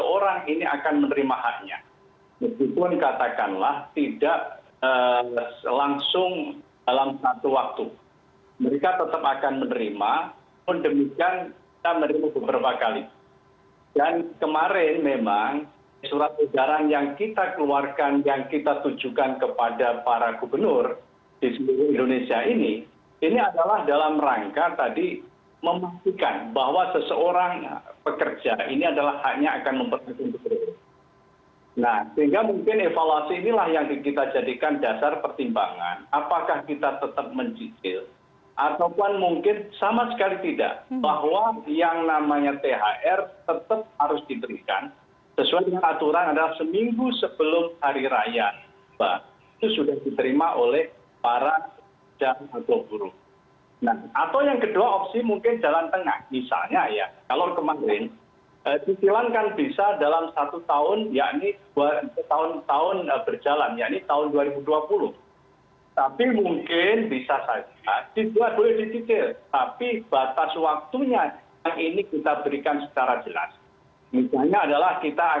oke kita tanya nanti tanggapan pak anwar ushajeda tetap bersama kami di newscast